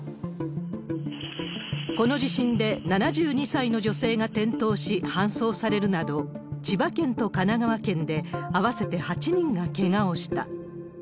この地震で７２歳の女性が転倒し、搬送されるなど、千葉県と神奈川県で、合わせて８人がけがをした。